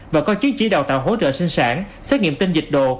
và có chứng chỉ đào tạo hỗ trợ sinh sản xét nghiệm tinh dịch đồ